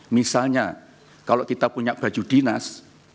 misalnya kalau kita punya baju dinas